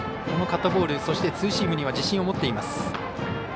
このカットボールツーシームには自信を持っています。